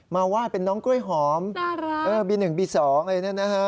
มาวาดเป็นน้องกล้วยหอมบี๑บี๒อะไรแบบนี้นะฮะ